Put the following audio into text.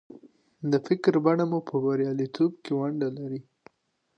د فکر بڼه مو په برياليتوب کې ونډه لري.